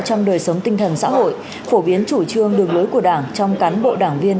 trong đời sống tinh thần xã hội phổ biến chủ trương đường lối của đảng trong cán bộ đảng viên